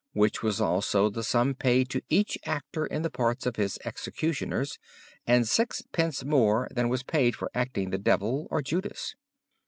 which was also the sum paid to each actor in the parts of His executioners, and 6d. more than was paid for acting the Devil or Judas.